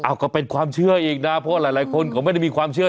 บ๊วยเอ้าก็เป็นความเชื่อแลกนะเพราะหลายคนก็ไม่มีความเชื่อ